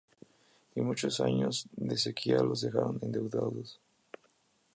Y muchos años de sequía los dejaron endeudados.